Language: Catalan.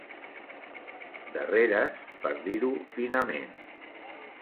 Darreres, per dir-ho finament.